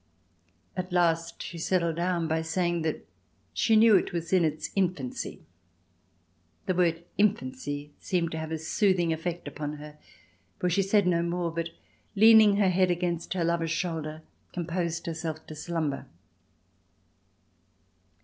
At last she settled down by saying that she knew it was in its infancy. The word "infancy" seemed to have a soothing effect upon her, for she said no more but, leaning her head against her lover's shoulder, composed herself to slumber.